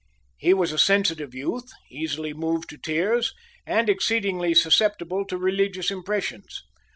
He was a sensitive youth, easily moved to tears, and exceedingly susceptible to religious impressions.